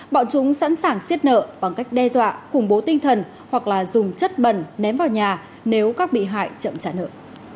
bọn chúng sẵn sàng xiết nợ bằng cách đe dọa khủng bố tinh thần hoặc là dùng chất bẩn ném vào nhà nếu các bị hại chậm trả nợ